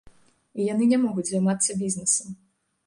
І яны не могуць займацца бізнесам.